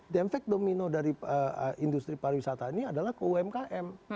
dan yang terkenal dari industri pariwisata ini adalah ke umkm